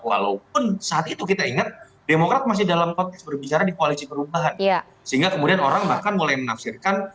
walaupun saat itu kita ingat demokrat masih dalam konteks berbicara di koalisi perubahan sehingga kemudian orang bahkan mulai menafsirkan